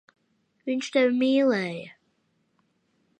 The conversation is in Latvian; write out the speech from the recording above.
Viņš tevi mīlēja.